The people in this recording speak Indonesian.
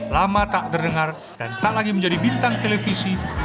lama tak terdengar dan tak lagi menjadi bintang televisi